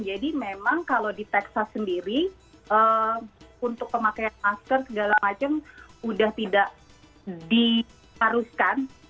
jadi memang kalau di texas sendiri untuk pemakaian masker segala macem udah tidak diharuskan